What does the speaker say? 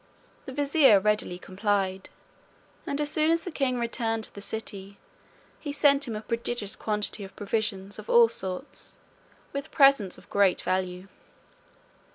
The vizier readily complied; and as soon as the king returned to the city, he sent him a prodigious quantity of provisions of all sorts, with presents of great value.